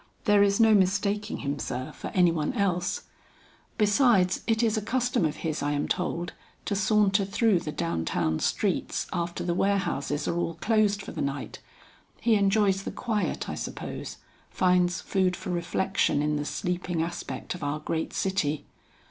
There is no mistaking him, sir, for any one else; besides it is a custom of his I am told, to saunter through the down town streets after the warehouses are all closed for the night. He enjoys the quiet I suppose, finds food for reflection in the sleeping aspect of our great city."